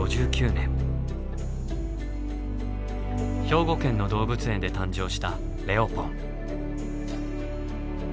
兵庫県の動物園で誕生した「レオポン」。